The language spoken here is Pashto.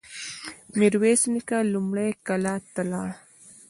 ميرويس نيکه لومړی کلات ته لاړ.